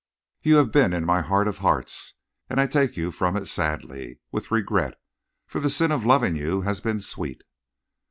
You have been in my heart of hearts. And I take you from it sadly with regret, for the sin of loving you has been sweet."